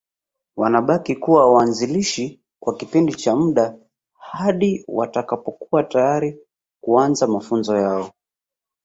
Wanabaki kuwa waanzilishi kwa kipindi cha muda hadi watakapokuwa tayari kuanza mafunzo yao